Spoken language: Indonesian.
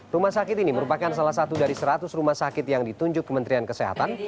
rumah sakit ini merupakan salah satu dari seratus rumah sakit yang ditunjuk kementerian kesehatan